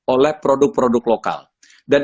oleh produk produk lokal dan